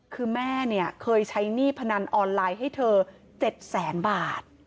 คือแม่เนี่ยเคยใช้หนี้พนันออนไลน์ให้เธอ๗แสนบาท